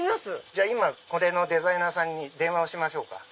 じゃあこれのデザイナーさんに電話をしましょうか。